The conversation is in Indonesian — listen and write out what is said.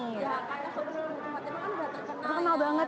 ya karena soto segeraja fatima kan sudah terkenal ya